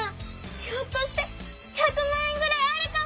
ひょっとして１００まん円ぐらいあるかも！